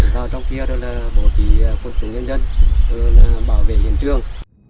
sau trong kia đó là bổ trí quân chủ nhân dân bảo vệ hiện trường